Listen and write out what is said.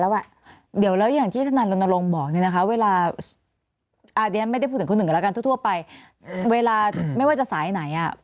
เวลาไม่ว่าจะสายไหนนะ